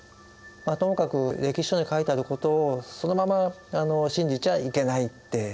まあともかく歴史書に書いてあることをそのまま信じちゃいけないっていうことですね。